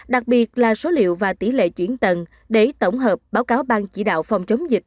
đặc biệt là số liệu và tỷ lệ chuyển tầng để tổng hợp báo cáo bang chỉ đạo phòng chống dịch